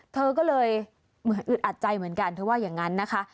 เธอก็เลยเหมือนอึดอัดใจเหมือนกันเธอว่าอย่างนั้นนะคะ